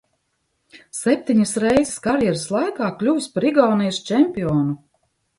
Septiņas reizes karjeras laikā kļuvis par Igaunijas čempionu.